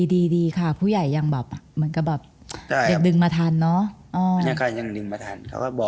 อ่อดีค่ะผู้ใหญ่อย่างแบบมันก็แบบ